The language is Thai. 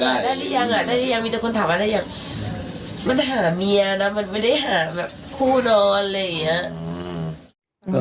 มันจะหาเมียนะมันไม่ได้หาแบบคู่นอนอะไรอย่างนี้